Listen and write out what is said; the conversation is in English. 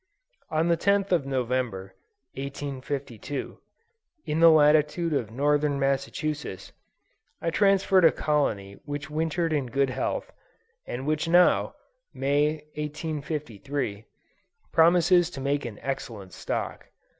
On the 10th of November, 1852, in the latitude of Northern Massachusetts, I transferred a colony which wintered in good health, and which now, May, 1853, promises to make an excellent stock.